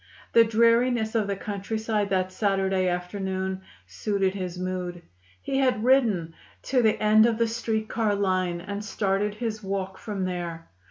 The dreariness of the countryside that Saturday afternoon suited his mood. He had ridden to the end of the street car line, and started his walk from there.